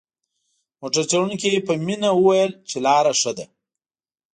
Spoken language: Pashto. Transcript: موټر چلوونکي په مينه وويل چې لاره ښه ده.